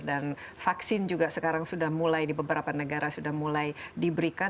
dan vaksin juga sekarang sudah mulai di beberapa negara sudah mulai diberikan